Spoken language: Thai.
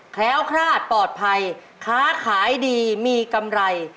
แคล้วคลาดปลอดภัยค้าขายดีมีกำไร